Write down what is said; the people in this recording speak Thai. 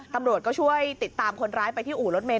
ตำรวจก็ช่วยติดตามคนร้ายไปที่อู่รถเมย